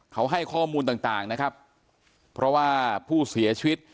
เขาให้ข้อมูลต่างนะครับเพราะว่าผู้เสียชีวิต